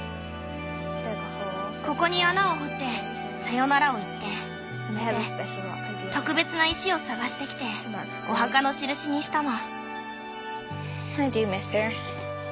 ここに穴を掘ってさよならを言って埋めて特別な石を探してきてお墓の印にしたの。